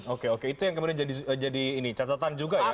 oke oke itu yang kemudian jadi ini catatan juga ya